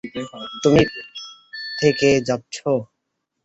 তুমি থেকে যাচ্ছ?